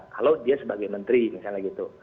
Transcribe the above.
kalau dia sebagai menteri misalnya gitu